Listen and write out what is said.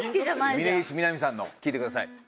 峯岸みなみさんの聴いてください